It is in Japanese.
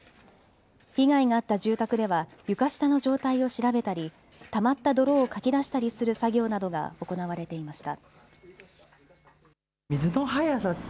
被害があった住宅では床下の状態を調べたり、たまった泥をかき出したりする作業などが行われていました。